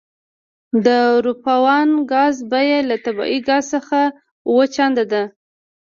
د پروپان ګاز بیه له طبیعي ګاز څخه اوه چنده ده